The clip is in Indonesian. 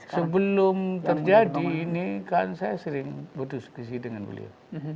sebelum terjadi ini kan saya sering berdiskusi dengan beliau